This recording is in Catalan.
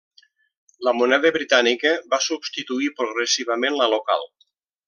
La moneda britànica va substituir progressivament la local.